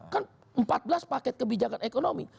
kan empat belas paket kebijakan ekonomi